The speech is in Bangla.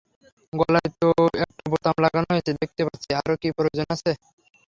গলায় তো একটা বোতাম লাগানো রয়েছে দেখতে পাচ্ছি– আরো কি প্রয়োজন আছে?